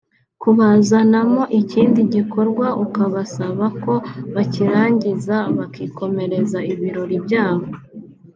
Kubazanamo ikindi gikorwa ukabasaba ko bakirangiza bakikomereza ibirori byabo